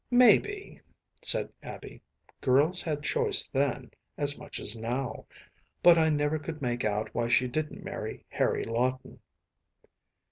‚ÄĚ ‚ÄúMaybe,‚ÄĚ said Abby, “girls had choice then as much as now, but I never could make out why she didn’t marry Harry Lawton.